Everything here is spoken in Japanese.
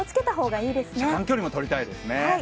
車間距離もとりたいですね。